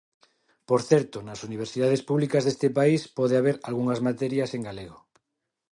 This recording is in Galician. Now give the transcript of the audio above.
Por certo, nas universidades públicas deste país pode haber algunhas materias en galego.